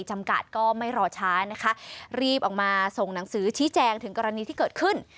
จำกัดก็ไม่รอช้านะคะรีบออกมาส่งหนังสือชี้แจงถึงกรณีที่เกิดขึ้น